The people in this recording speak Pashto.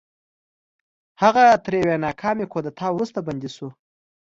هغه تر یوې ناکامې کودتا وروسته بندي شو.